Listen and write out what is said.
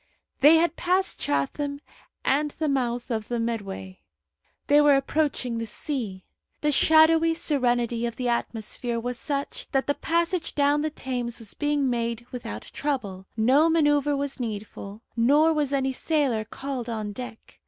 They had passed Chatham and the mouth of the Medway. They were approaching the sea. The shadowy serenity of the atmosphere was such that the passage down the Thames was being made without trouble: no manoeuvre was needful, nor was any sailor called on deck.